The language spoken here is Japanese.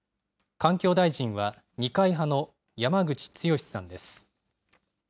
環境大臣は二階派の山口壯さんです。